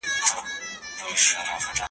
ځکه مي لمر ته وویل ,